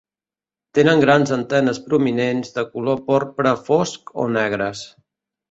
Tenen grans anteres prominents de color porpra fosc o negres.